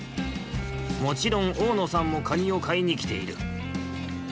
もちろん大野さんもカニをかいにきている。